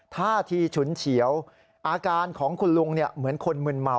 ท่าทีฉุนเฉียวอาการของคุณลุงเหมือนคนมึนเมา